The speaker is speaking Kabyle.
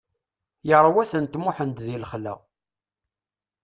Yerwa-tent Muḥend di lexla.